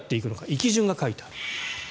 行き順が書いてある。